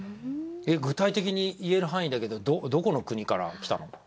具体的に言える範囲だけでどこの国からきたの？